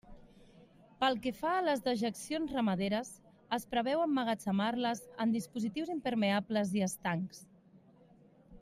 Pel que fa a les dejeccions ramaderes, es preveu emmagatzemar-les en dispositius impermeables i estancs.